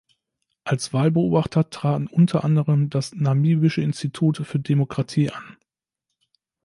Als Wahlbeobachter traten unter anderem das Namibische Institut für Demokratie an.